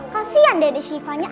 kasian dedek siva nya